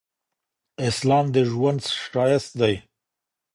اسلام د ږوند شایست دي